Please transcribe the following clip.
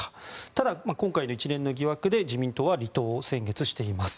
ただ、今回の一連の疑惑で自民党は離党を先月しています。